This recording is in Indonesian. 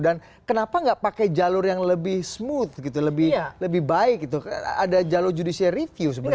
dan kenapa tidak pakai jalur yang lebih smooth gitu lebih baik gitu ada jalur judisnya review sebenarnya